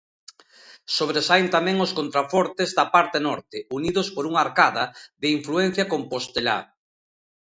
Sobresaen tamén os contrafortes da parte norte, unidos por unha arcada, de influencia compostelá.